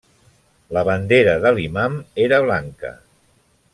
La bandera de l'imam era blanca.